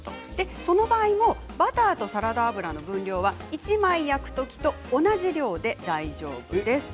その場合も、バターとサラダ油の分量は１枚焼くときと同じ量で大丈夫です。